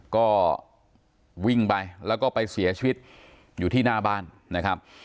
ก็วิ่งไปแล้วก็ไปเสียชีวิตอยู่ที่หน้าบ้านนะครับ